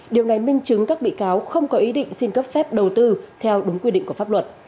điều này minh chứng các bị cáo không có ý định xin cấp phép đầu tư theo đúng quy định của pháp luật